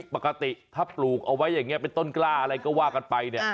ปกติถ้าปลูกเอาไว้ยังเงี้ยเป็นต้นกล้าอะไรก็ว่ากันไป